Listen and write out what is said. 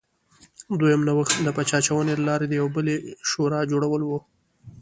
دویم نوښت د پچه اچونې له لارې د یوې بلې شورا جوړول و